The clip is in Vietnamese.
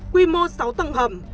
quy mô sáu tầng hầm